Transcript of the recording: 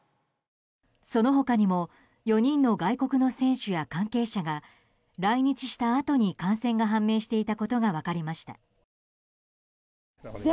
その他にも４人の外国の選手や関係者らが来日したあとに感染が判明していたことが分かりました。